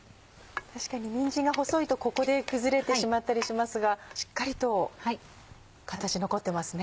確かににんじんが細いとここで崩れてしまったりしますがしっかりと形残ってますね。